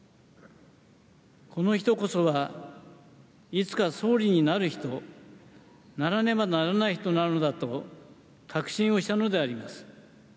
この人こそがいつか総理になる人ならねばならない人なのだと確信をしたのであります。